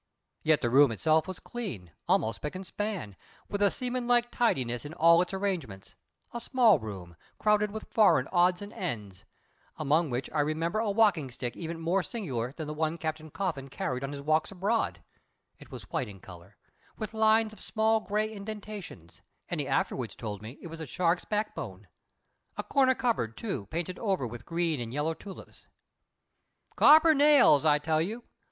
Yet the room itself was clean, almost spick and span, with a seaman like tidiness in all its arrangements a small room, crowded with foreign odds and ends, among which I remember a walking stick even more singular than the one Captain Coffin carried on his walks abroad (it was white in colour, with lines of small grey indentations, and he afterwards told me it was a shark's backbone); a corner cupboard, too, painted over with green and yellow tulips. "Copper nails, I tell you.